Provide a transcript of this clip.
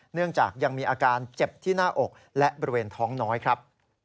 เนื่องจากยังมีอาการเจ็บที่หน้าอกและบริเวณท้องน้อยครับ